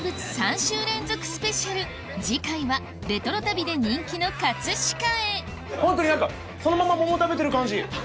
次回はレトロ旅で人気の葛飾へホントに何かそのまま桃食べてる感じ。